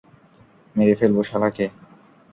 মেরে ফেলবো শালা কে।